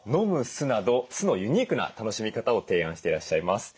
酢など酢のユニークな楽しみ方を提案していらっしゃいます。